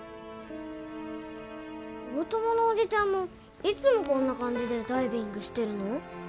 大友のおじちゃんもいつもこんな感じでダイビングしてるの？